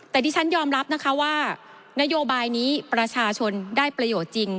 แต่ที่ฉันยอมรับนะคะว่านโยบายนี้ประชาชนได้ประโยชน์จริง